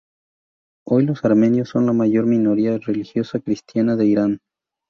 Hoy los armenios son la mayor minoría religiosa cristiana de Irán.